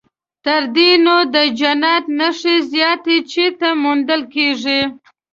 تر دې نو د جنت نښې زیاتې چیرته موندل کېږي.